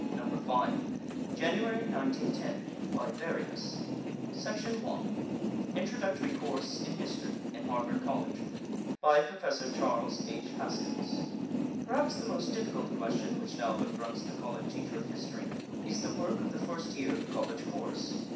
Number 5. PHILADELPHIA, JANUARY, 1910. $1.00 a year 15 cents a copy Introductory Course in History In Harvard College BY PROFESSOR CHARLES H. HASKINS. Perhaps the most difficult question which now confronts the college teacher of history is the work of the first year of the college course.